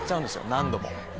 何度も。